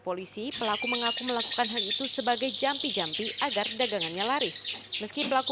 polisi pelaku mengaku melakukan hal itu sebagai jampi jampi agar dagangannya laris meski pelaku